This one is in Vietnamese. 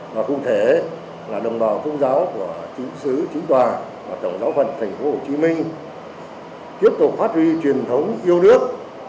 và tổng giáo phận thành phố hồ chí minh tiếp tục phát triển truyền thống yêu nước